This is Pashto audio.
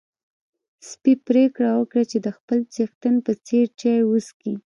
سپی پرېکړه وکړه چې د خپل څښتن په څېر چای وڅښي.